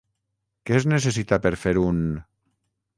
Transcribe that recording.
Què es necessita per fer un.?